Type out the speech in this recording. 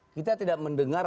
kita tidak mendengar